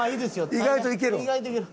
意外といける。